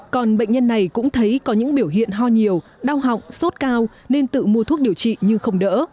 còn bệnh nhân này cũng thấy có những biểu hiện ho nhiều đau họng sốt cao nên tự mua thuốc điều trị nhưng không đỡ